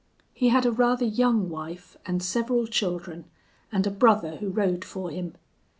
He had a rather young wife, and several children, and a brother who rode for him.